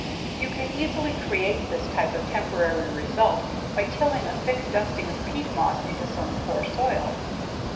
You can easily create this type of temporary result by tilling a thick dusting of peat moss into some poor soil.